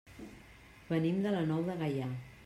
Venim de la Nou de Gaià.